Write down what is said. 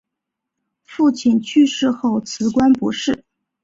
父亲去世后辞官不仕。